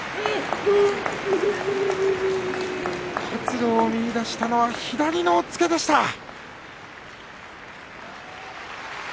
活路を見いだしたのは左の押っつけでした。